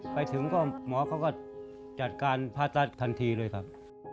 ไปถึงก็หมอเขาก็จัดการผ่าตัดทันทีเลยครับ